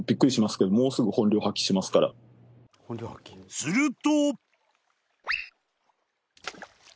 ［すると］